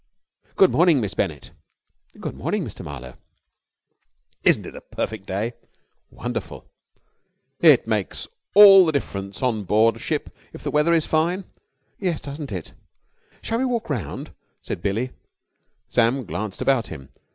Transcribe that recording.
"Good morning, Miss Bennett." "Good morning, Mr. Marlowe." "Isn't it a perfect day?" "Wonderful!" "It makes all the difference on board ship if the weather is fine." "Yes, doesn't it?" "Shall we walk round?" said Billie. Sam glanced about him.